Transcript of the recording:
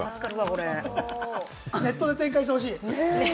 ネットで展開してほしい！